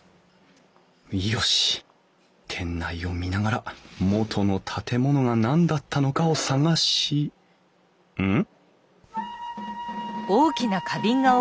よし店内を見ながら元の建物が何だったのかを探しうん？